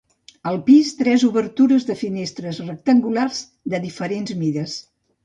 Al pis, tres obertures de finestres rectangulars de diferents mides.